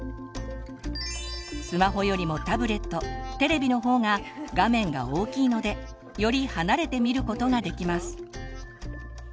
スマホよりもタブレットテレビの方が画面が大きいのでより離れて見ることができます。